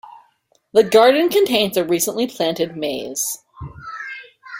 The garden contains a recently planted maze.